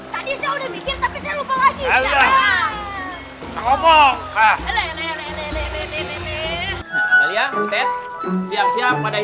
tadi saya udah mikir tapi saya lupa lagi